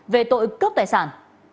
về tội cướp tài sản